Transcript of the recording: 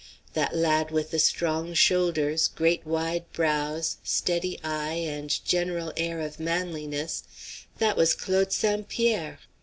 That lad with the strong shoulders, good wide brows, steady eye, and general air of manliness, that was Claude St. Pierre.